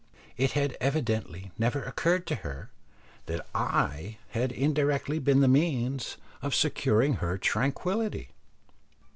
It had evidently never occurred to her, that I had indirectly been the means of securing her tranquillity.